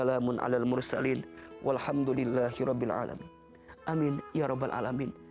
amin ya rabbal alamin